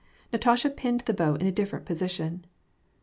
Natasha pinned the bow in a different position.